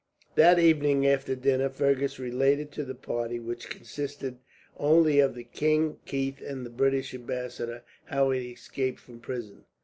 That evening after dinner Fergus related to the party, which consisted only of the king, Keith, and the British ambassador, how he had escaped from prison.